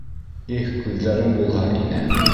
Их, күҙҙәрем булһа ине!